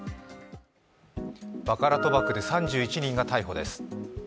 バカラ賭博で３１人が逮捕です。